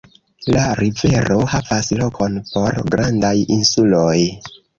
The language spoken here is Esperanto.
La rivero havas lokon por grandaj insuloj.